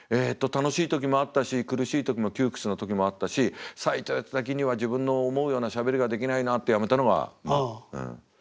えっと楽しい時もあったし苦しい時も窮屈な時もあったし最後やってた時には自分の思うようなしゃべりができないなってやめたのがまあうん。